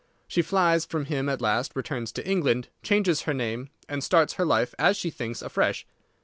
She flies from him at last, returns to England, changes her name, and starts her life, as she thinks, afresh.